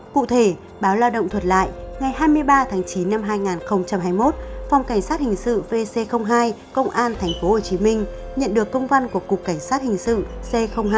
cụ thể báo lao động thuật lại ngày hai mươi ba tháng chín năm hai nghìn hai mươi một phòng cảnh sát hình sự vc hai công an thành phố hồ chí minh nhận được công văn của cục cảnh sát hình sự c hai